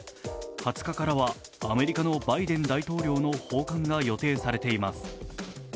２０日からはアメリカのバイデン大統領の訪韓が予定されています。